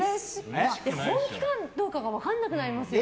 本気かどうかが分からなくなりますよね。